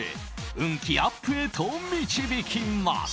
運気アップへと導きます。